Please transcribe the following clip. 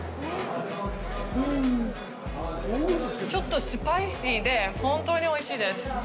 ちょっとスパイシーで本当においしいです。